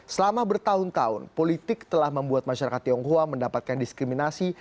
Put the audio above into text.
selama bertahun tahun politik telah membuat masyarakat tionghoa mendapatkan diskriminasi